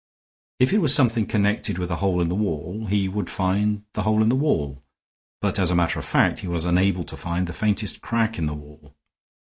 If it was something connected with a hole in the wall he would find the hole in the wall; but, as a matter of fact, he was unable to find the faintest crack in the wall.